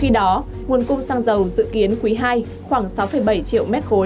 khi đó nguồn cung xăng dầu dự kiến quý ii khoảng sáu bảy triệu m ba